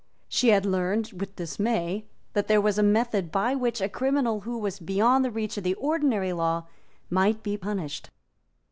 She had learned with dismay that there was a method by which a criminal who was beyond the reach of the ordinary law might be punished.